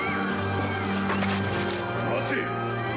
待て！